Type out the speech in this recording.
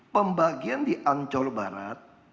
pembagian di ancol barat